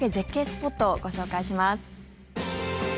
スポットをご紹介します。